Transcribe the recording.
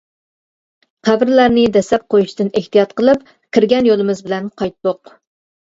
قەبرىلەرنى دەسسەپ قويۇشتىن ئېھتىيات قىلىپ، كىرگەن يولىمىز بىلەن قايتتۇق.